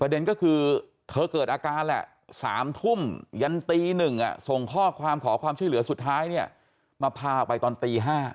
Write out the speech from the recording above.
เด็นก็คือเธอเกิดอาการแหละ๓ทุ่มยันตี๑ส่งข้อความขอความช่วยเหลือสุดท้ายเนี่ยมาพาออกไปตอนตี๕